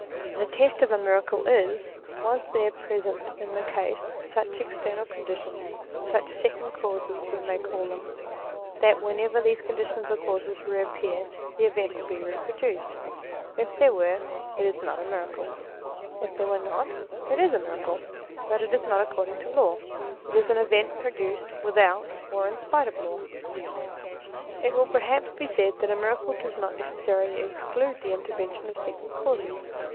The test of a miracle is : Were there present in the case such ex ternal conditions, such second causes we may call them, that whenever these conditions or causes re appear the event will be reproduced ? If there were, it is not a miracle ; if there were not, it is a miracle, but it is not according to law : it is an event produced, without, or in spite of law. It will perhaps be said that a miracle does not necessarily exclude the intervention of second causes.